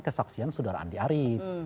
kesaksian saudara andi arief